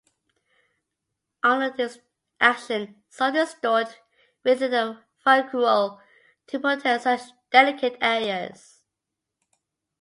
Under this action, salt is stored within the vacuole to protect such delicate areas.